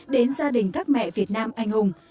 đến gia đình các mẹ việt nam anh hùng